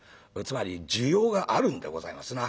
つまり需要があるんでございますな。